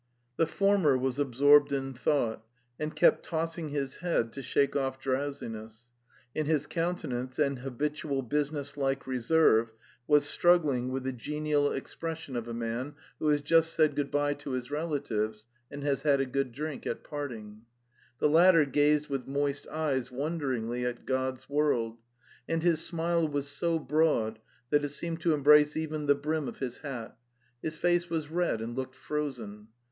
The former was absorbed in thought, and kept tossing his head to shake off drow siness; in his countenance an habitual business like reserve was struggling with the genial expression of 161 162 The Tales of Chekhov a man who has just said good bye to his relatives and has had a good drink at parting. The latter gazed with moist eyes wonderingly at God's world, and his smile was so broad that it seemed to embrace even the brim of his hat; his face was red and looked' frozen.